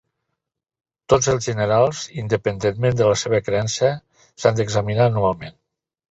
Tots els generals, independentment de la seva creença, s'han d'examinar anualment.